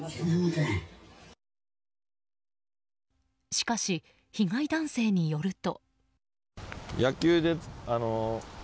しかし、被害男性によると。